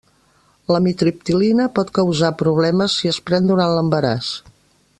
L'amitriptilina pot causar problemes si es pren durant l'embaràs.